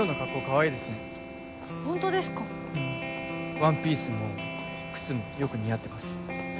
ワンピースも靴もよく似合ってます。